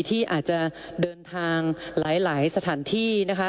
ที่อาจจะเดินทางหลายสถานที่นะคะ